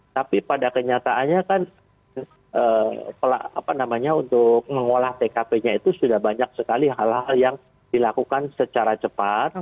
tapi pada kenyataannya kan untuk mengolah tkp nya itu sudah banyak sekali hal hal yang dilakukan secara cepat